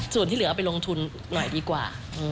ส่วนที่เหลือเอาไปลงทุนหน่อยดีกว่า